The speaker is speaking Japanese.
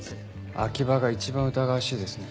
秋葉が一番疑わしいですね。